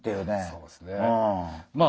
そうですね。